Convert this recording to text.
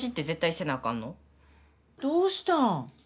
どうしたん。